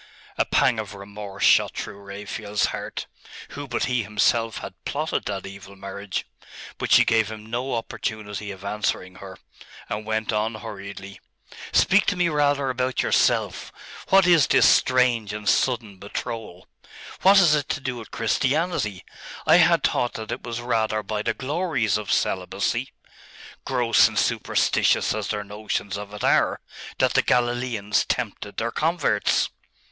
A pang of remorse shot through Raphael's heart. Who but he himself had plotted that evil marriage? But she gave him no opportunity of answering her, and went on hurriedly 'Speak to me rather about yourself. What is this strange and sudden betrothal? What has it to do with Christianity? I had thought that it was rather by the glories of celibacy gross and superstitious as their notions of it are that the Galileans tempted their converts.